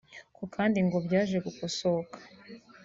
ku kandi ngo byaje gukosoka